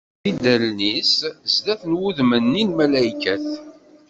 Yeldi-d allen-is sdat n wudem-nni n lmalaykat.